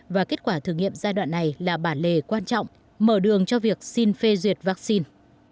và kết quả thử nghiệm giai đoạn này là bản lề quan trọng mở đường cho việc xin phê duyệt vaccine